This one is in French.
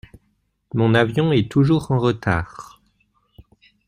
Mon avion est toujours en retard.